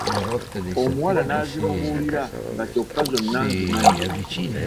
Omuwala n'azimubuulira nga kyokka zonna nzimanyi.